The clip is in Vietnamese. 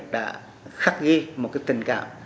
đã khắc ghi một cái tình cảm